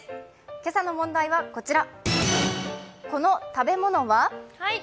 今朝の問題はこちら。